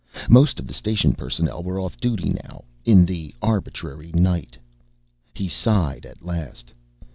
Most of the station personnel were off duty now, in the arbitrary "night." He sighed at last.